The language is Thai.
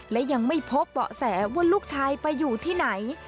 และยังไม่พบเบาะแสว่าลูกชายไปอยู่ที่ไหน